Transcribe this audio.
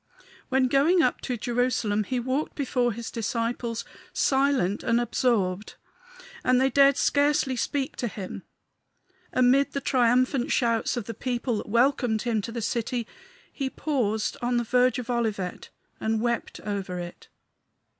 When going up to Jerusalem he walked before his disciples, silent and absorbed; and they dared scarcely speak to him. Amid the triumphant shouts of the people that welcomed him to the city he paused on the verge of Olivet and wept over it.